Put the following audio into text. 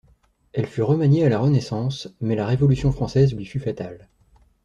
Elle fut remaniée à la Renaissance mais la Révolution française lui fut fatale.